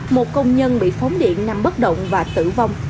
một công nhân bị phóng điện nằm bất động và tử vong